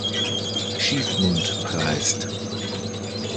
Schiefmund preist.